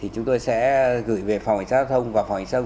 chúng tôi sẽ gửi về phòng cảnh sát giao thông và phòng hành sông